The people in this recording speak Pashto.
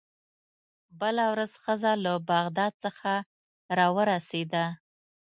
بله ورځ ښځه له بغداد څخه راورسېده.